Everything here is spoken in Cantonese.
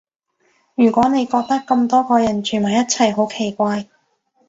如果你覺得咁多個人住埋一齊好奇怪